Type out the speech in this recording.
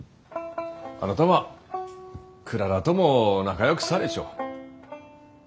あなたはクララとも仲よくされちょる。